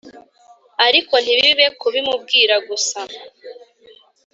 ariko ntibibe kubimubwira gusa